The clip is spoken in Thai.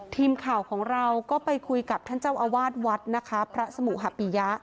ทีมข่าวของเราก็ไปคุยกับท่านเจ้าอาวาสวัดนะคะพระสมุหะปิยะ